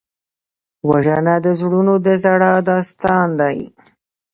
وژنه د زړونو د ژړا داستان دی